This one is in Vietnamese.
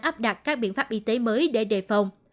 áp đặt các biện pháp y tế mới để đề phòng